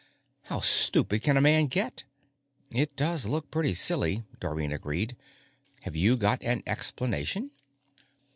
How stupid can a man get?_ It does look pretty silly, Dorrine agreed. _Have you got an explanation?